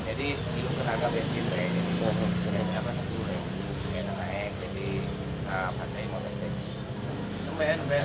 jadi kita harus menjaga bencinya